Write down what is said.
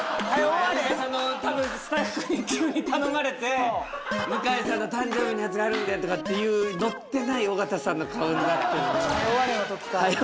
多分スタッフに急に頼まれて向井さんの誕生日のやつがあるんでとかっていうのってない尾形さんの顔になってるなはよ